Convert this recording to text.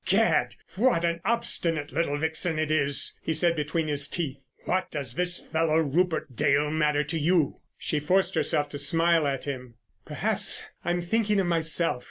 "Gad, what an obstinate little vixen it is!" he said between his teeth. "What does this fellow Rupert Dale matter to you?" She forced herself to smile at him. "Perhaps I'm thinking of myself.